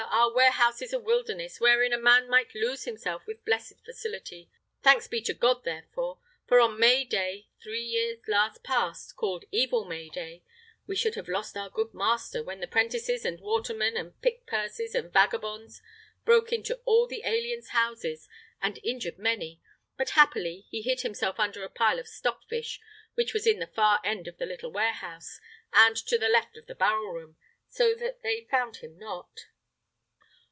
our warehouse is a wilderness, wherein a man might lose himself with blessed facility. Thanks be to God therefor; for on May day, three years last past, called 'Evil May day,' we should have lost our good master, when the prentices, and watermen, and pick purses, and vagabonds, broke into all the aliens' houses, and injured many; but, happily, he hid himself under a pile of stockfish, which was in the far end of the little warehouse, to the left of the barrel room, so that they found him not."